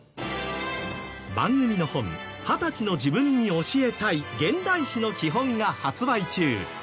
番組の本『２０歳の自分に教えたい現代史のきほん』が発売中。